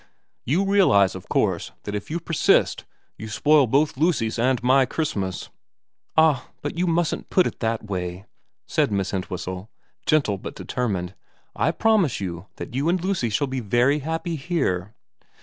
' You realise, of course, that if you persist you spoil both Lucy's and my Christmas.' ' Ah, but you mustn't put it that way,' said Miss Entwhistle, gentle but determined. * I promise you that you and Lucy shall be very happy here.'